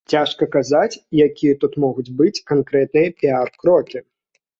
Цяжка казаць, якія тут могуць быць канкрэтныя піяр-крокі.